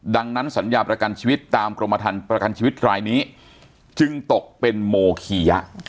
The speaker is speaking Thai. ดังนั้นสัญญาประกันชีวิตตามกรมฐานประกันชีวิตรายนี้จึงตกเป็นโมคียะ